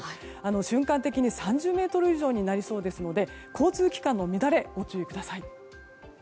瞬間的に３０メートル以上になりそうですので交通機関の乱れご注意ください。